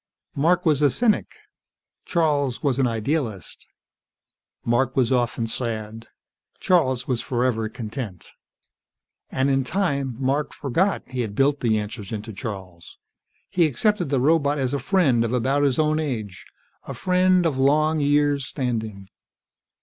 Mark was a cynic, Charles was an idealist. Mark was often sad; Charles was forever content. And in time, Mark forgot he had built the answers into Charles. He accepted the robot as a friend, of about his own age. A friend of long years' standing.